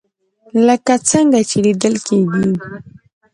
لکه څنګه چې ليدل کېږي